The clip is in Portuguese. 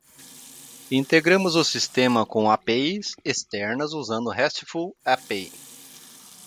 Integramos o sistema com APIs externas usando RESTful API.